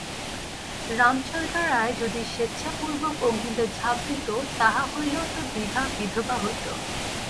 রামচন্দ্র রায় যদি স্বেচ্ছাপূর্বক অগ্নিতে ঝাঁপ দিত, তাহা হইলেও তো বিভা বিধবা হইত।